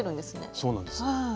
そうなんです。